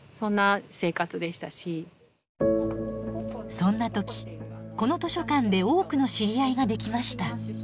そんな時この図書館で多くの知り合いができました。